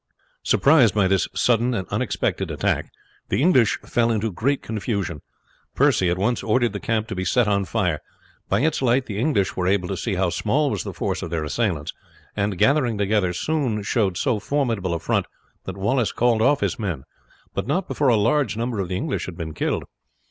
Surprised by this sudden and unexpected attack, the English fell into great confusion. Percy at once ordered the camp to be set on fire. By its light the English were able to see how small was the force of their assailants, and gathering together soon showed so formidable a front that Wallace called off his men, but not before a large number of the English had been killed.